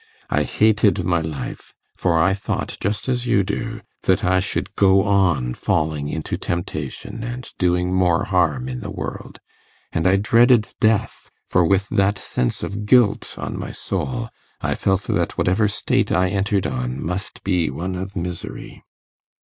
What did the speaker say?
I hated my life, for I thought, just as you do, that I should go on falling into temptation and doing more harm in the world; and I dreaded death, for with that sense of guilt on my soul, I felt that whatever state I entered on must be one of misery.